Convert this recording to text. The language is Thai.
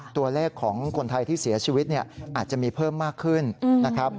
ตัวเลขของคนไทยที่เสียชีวิตอาจจะมีเพิ่มมากขึ้น